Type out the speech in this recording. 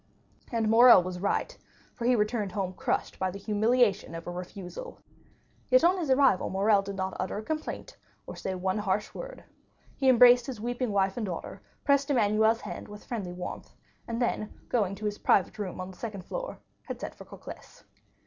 And Morrel was right, for he returned home crushed by the humiliation of a refusal. Yet, on his arrival, Morrel did not utter a complaint, or say one harsh word. He embraced his weeping wife and daughter, pressed Emmanuel's hand with friendly warmth, and then going to his private room on the second floor had sent for Cocles.